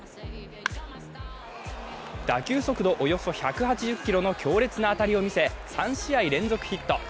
打球速度およそ１８０キロの強烈な当たりを見せ３試合連続ヒット。